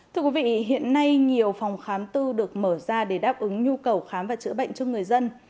thưa quý vị hiện nay nhiều phòng khám tư được mở ra để đáp ứng nhu cầu khám và chữa bệnh cho người dân